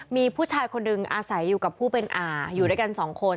มีผู้ชายคนหนึ่งอาศัยอยู่กับผู้เป็นอาอยู่ด้วยกันสองคน